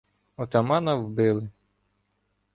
Отамана вбили.